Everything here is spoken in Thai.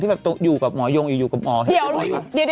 ที่อยู่กับหมอตรงอยู่กับหมอ